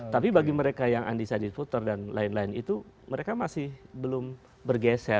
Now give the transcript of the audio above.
tapi bagi mereka yang undecided voter dan lain lain itu mereka masih belum bergeser